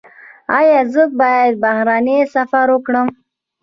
ایا زه باید بهرنی سفر وکړم؟